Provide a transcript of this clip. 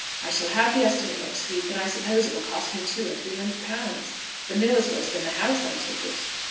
I shall have the estimate next week, and I suppose it will cost me two or three hundred pounds. The mill is worse than the house, I take it."